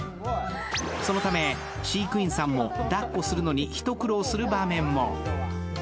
そのため、飼育員さんもだっこするのに一苦労する場面も。